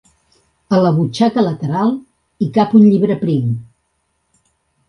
A la butxaca lateral, hi cap un llibre prim.